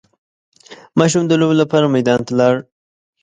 ماشوم د لوبو لپاره میدان ته لاړ.